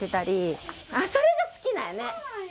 それが好きなんやね。